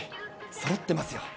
そろってますよ。